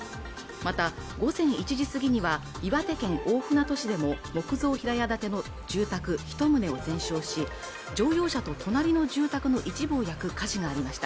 また午前１時過ぎには岩手県大船渡市でも木造平屋建ての住宅一棟を全焼し乗用車と隣の住宅の一部を焼く火事がありました